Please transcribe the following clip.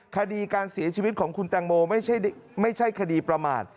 คดีการเสียชีวิตของคุณแตงโมไม่ใช่คดีประมาท